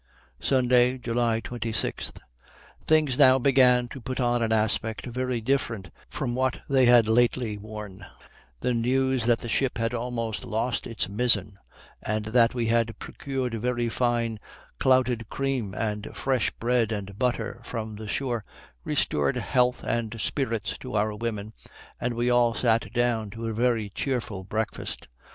Sunday, July 26. Things now began to put on an aspect very different from what they had lately worn; the news that the ship had almost lost its mizzen, and that we had procured very fine clouted cream and fresh bread and butter from the shore, restored health and spirits to our women, and we all sat down to a very cheerful breakfast.